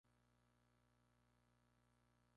El juego luego se reinicia a la primera fase.